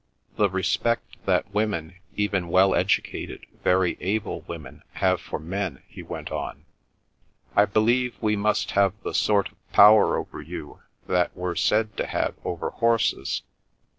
"The respect that women, even well educated, very able women, have for men," he went on. "I believe we must have the sort of power over you that we're said to have over horses.